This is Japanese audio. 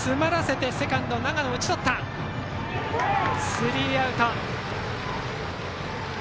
スリーアウト。